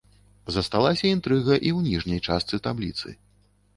Засталася інтрыга і ў ніжняй частцы табліцы.